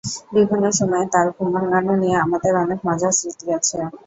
বিভিন্ন সময়ে তাঁর ঘুম ভাঙানো নিয়ে আমাদের অনেক মজার স্মৃতি আছে।